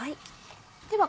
では